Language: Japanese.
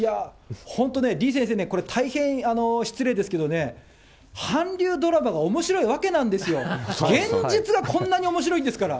本当ね、李先生ね、これ、大変失礼ですけどね、韓流ドラマがおもしろいわけなんですよ、現実がこんなにおもしろいんですから。